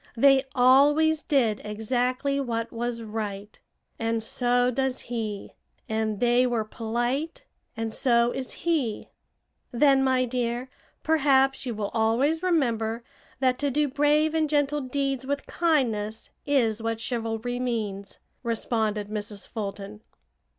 They always did exactly what was right, and so does he; and they were polite and so is he." "Then, my dear, perhaps you will always remember that to do brave and gentle deeds with kindness is what 'chivalry' means," responded Mrs. Fulton.